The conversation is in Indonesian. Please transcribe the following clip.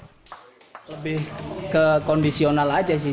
lebih kekondisional saja sih